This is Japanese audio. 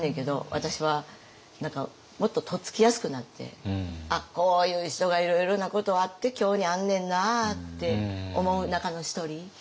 私は何かもっととっつきやすくなってあっこういう人がいろいろなことあって今日にあんねんなあって思う中の一人。